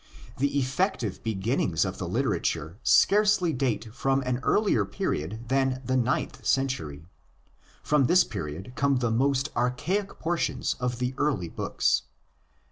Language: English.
The effective beginnings of the literature scarcely date. from an earlier period than the ninth century. From this period come the most archaic portions of the early books.